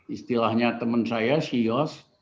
istilahnya teman saya sios